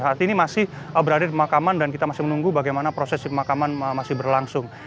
saat ini masih berada di pemakaman dan kita masih menunggu bagaimana proses pemakaman masih berlangsung